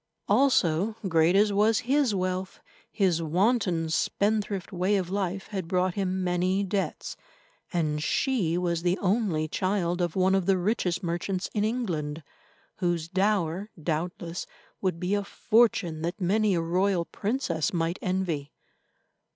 Also, great as was his wealth, his wanton, spendthrift way of life had brought him many debts, and she was the only child of one of the richest merchants in England, whose dower, doubtless, would be a fortune that many a royal princess might envy.